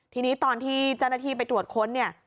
ทีนี้ตอนที่เจ้าหน้าที่ไปตรวจค้นเนี่ย